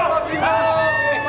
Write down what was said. suara yang terkenal